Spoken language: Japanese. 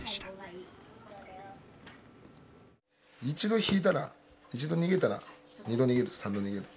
一度引いたら一度逃げたら二度逃げる三度逃げる。